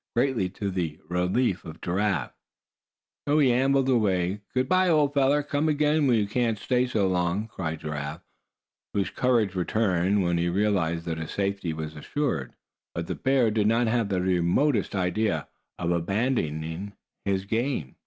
Greatly to the relief of Giraffe he ambled away. "Good bye, old feller! Come again when you can't stay so long!" cried Giraffe, whose courage returned when he realized that his safety was assured. But the bear did not have the remotest idea of abandoning his game.